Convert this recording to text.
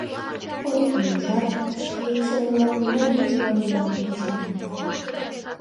Ой, юмыжат, шке икшывем-влак мыняр ий кӱвар ӱмбалне почаҥыныт.